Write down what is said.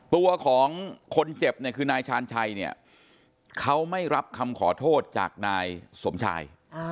ตัวของคนเจ็บเนี่ยคือนายชาญชัยเนี่ยเขาไม่รับคำขอโทษจากนายสมชาย